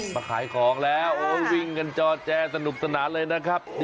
มาขายของแล้วโอ้วิ่งกันจอแจสนุกสนานเลยนะครับ